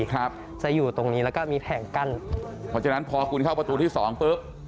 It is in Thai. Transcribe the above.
ครับจะอยู่ตรงนี้แล้วก็มีแผงกั้นเพราะฉะนั้นพอคุณเข้าประตูที่สองปุ๊บ